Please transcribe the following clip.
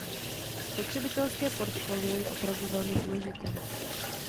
Spotřebitelské portfolio je opravdu velmi důležité.